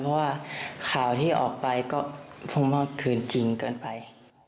เพราะว่าข่าวที่ออกไปก็คงเมื่อคืนจริงเกินไป